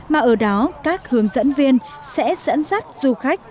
mà ở đó các hướng dẫn viên sẽ dẫn dắt du khách